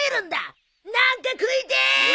何か食いてえ！